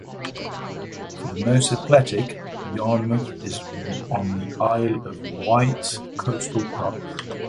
For the more athletic, Yarmouth is on the Isle of Wight Coastal Path.